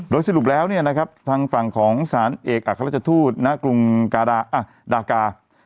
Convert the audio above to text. โดยสรุปแล้วเนี่ยนะครับทางฝั่งของสารเอกอัครราชทูตณกรุงดากา